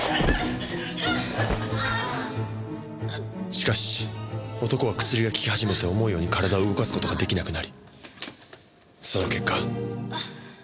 しかし男は薬が効き始めて思うように体を動かす事が出来なくなりその結果。